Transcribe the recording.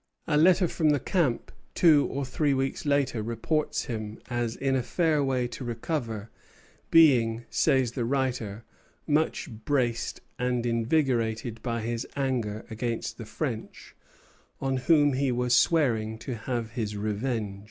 A letter from the camp two or three weeks later reports him as in a fair way to recover, being, says the writer, much braced and invigorated by his anger against the French, on whom he was swearing to have his revenge.